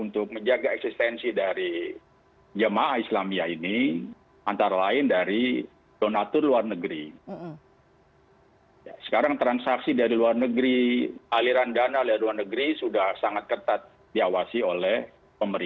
terima kasih pak